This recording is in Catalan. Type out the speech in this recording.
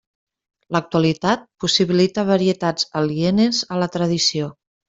L'actualitat possibilita varietats alienes a la tradició.